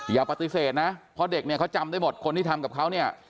อย่าปฏิเสธนะเพราะเด็กเนี่ยเขาจำได้หมดคนที่ทำกับเขาเนี่ย